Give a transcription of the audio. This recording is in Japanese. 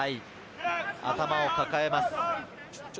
頭を抱えます。